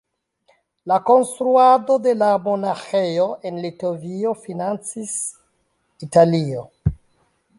La konstruadon de la monaĥejo en Litovio financis Italio.